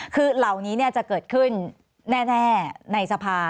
คือเหล่านี้จะเกิดขึ้นแน่ในสภา